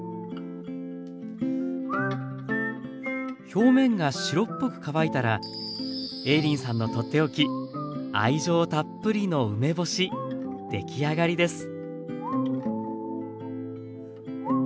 表面が白っぽく乾いたら映林さんのとっておき愛情たっぷりの梅干しできあがりです。